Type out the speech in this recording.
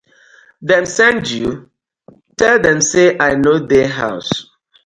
Dem send you? tell dem say I no dey house.